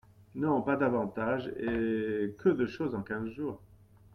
Non, pas davantage ; et que de choses en quinze jours !